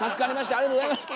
ありがとうございます！